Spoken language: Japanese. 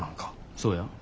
そうや。